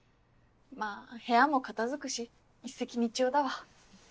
まぁ部屋も片付くし一石二鳥だわ。